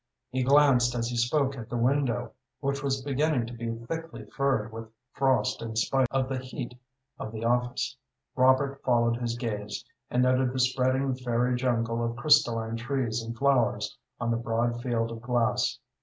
He glanced as he spoke at the window, which was beginning to be thickly furred with frost in spite of the heat of the office. Robert followed his gaze, and noted the spreading fairy jungle of crystalline trees and flowers on the broad field of glass.